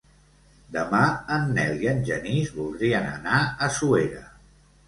Demà en Nel i en Genís voldrien anar a Suera.